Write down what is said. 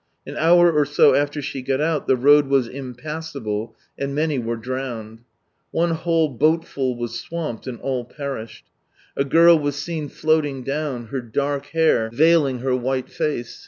An hour or so after she got out, the road was impassable, and many were drowned. One whole boatful was swamped, and all perished. A girl was seen floating down, her dark hair veiling her white face.